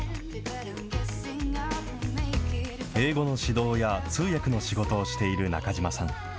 英語の指導や通訳の仕事をしている中島さん。